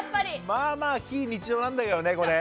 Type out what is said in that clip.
まあまあ非日常なんだけどねこれ。